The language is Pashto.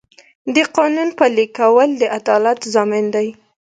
د قانون پلي کول د عدالت ضامن دی.